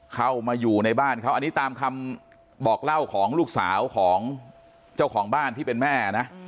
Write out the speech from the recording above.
เข้ามาอยู่ในบ้านเขาอันนี้ตามคำบอกเล่าของลูกสาวของเจ้าของบ้านที่เป็นแม่นะ